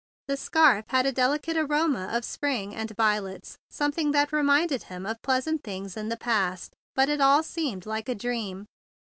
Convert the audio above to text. The scarf had a delicate aroma of spring and violets, something that reminded him of pleasant things in the past; but it all seemed like a dream.